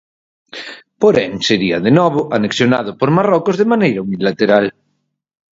Porén, sería, de novo, anexionado por Marrocos de maneira unilateral.